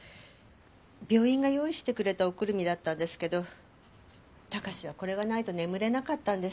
病院が用意してくれたおくるみだったんですけど貴史はこれがないと眠れなかったんです。